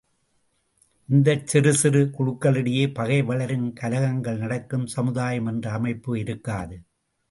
இந்தச் சிறு சிறு குழுக்களிடையே பகை வளரும் கலகங்கள் நடக்கும் சமுதாயம் என்ற அமைப்பு இருக்காது.